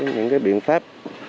những cái biện pháp